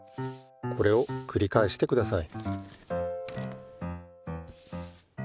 これをくりかえしてください。